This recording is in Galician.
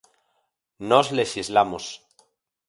Nós lexislamos.